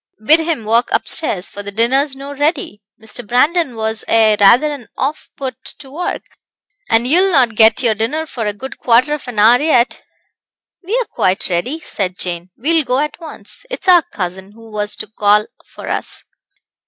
"Bid him walk upstairs, for the dinner's no ready. Mr. Brandon was aye rather an off put to work, and ye'll no get your dinner for a good quarter of an hour yet." "We are quite ready," said Jane; "We will go at once. It is our cousin, who was to call for us."